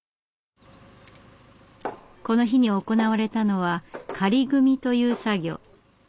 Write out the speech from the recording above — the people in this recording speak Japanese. この日に行われたのは「仮組み」という作業。